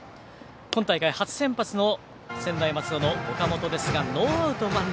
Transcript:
今大会初先発の専大松戸の岡本ですがノーアウト満塁。